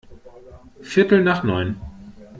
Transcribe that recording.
Viertel nach neun.